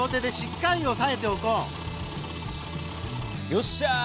よっしゃあ！